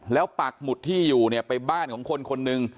แล้วปักหมุดที่อยู่เนี่ยไปบ้านของคนคนหนึ่ง